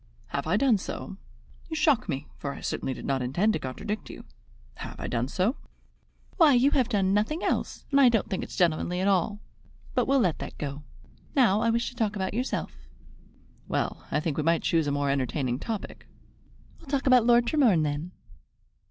"Have I done so? You shock me, for I certainly did not intend to contradict you." "Why, you have done nothing else, and I don't think it's gentlemanly at all. But we'll let that go. Now I wish to talk about yourself." "Well, I think we might choose a more entertaining topic." "We'll talk about Lord Tremorne then."